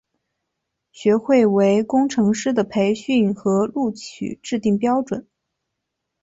学会为工程师的培训和录取制定标准。